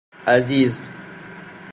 عزیز